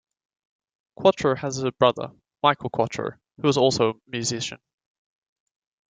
Quatro has a brother, Michael Quatro, who is also a musician.